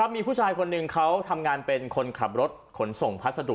มีผู้ชายคนหนึ่งเขาทำงานเป็นคนขับรถขนส่งพัสดุ